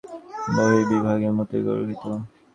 নামজাদা মানুষের বিবাহ স্বল্পবিবাহ, বহুবিবাহের মতোই গর্হিত।